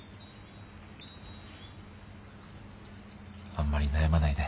あんまり悩まないで。